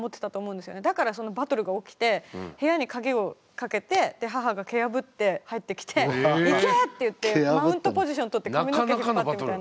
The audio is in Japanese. だからそのバトルが起きて部屋に鍵をかけてで母が蹴破って入ってきて「行け！」って言ってマウントポジション取って髪の毛引っ張ってみたいな。